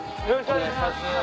お願いします。